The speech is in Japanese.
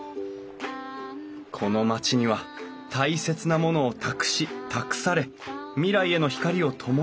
この町には大切なものを託し託され未来への光をともし続ける人たちがいました